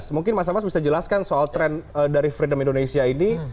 mungkin mas amas bisa jelaskan soal tren dari freedom indonesia ini